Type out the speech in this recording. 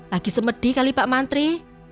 lagi semedi kali pak mantri